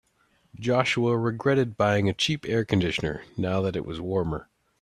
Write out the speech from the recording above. Joshua regretted buying a cheap air conditioner now that it was warmer.